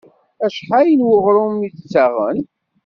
Acḥal n weɣrum i d-ttaɣen?